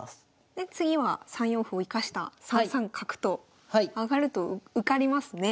で次は３四歩を生かした３三角と上がると受かりますね。